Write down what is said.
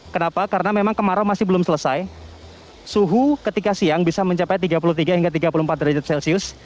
kenapa karena memang kemarau masih belum selesai suhu ketika siang bisa mencapai tiga puluh tiga hingga tiga puluh empat derajat celcius